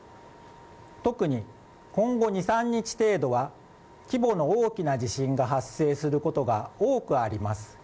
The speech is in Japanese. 特に今後２３日程度は規模の大きな地震が発生することが多くあります。